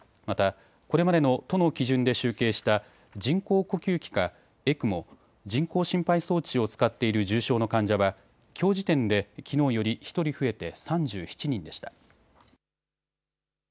また、これまでの都の基準で集計した人工呼吸器か、ＥＣＭＯ・人工心肺装置を使っている重症の患者は、きょう時点できのうより１人増えて、３７人でした。